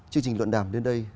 chương trình luận đàm đến đây